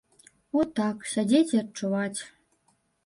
От так, сядзець і адчуваць.